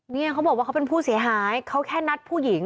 เนี่ยเขาบอกว่าเขาเป็นผู้เสียหายเขาแค่นัดผู้หญิง